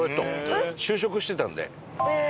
就職してたんで。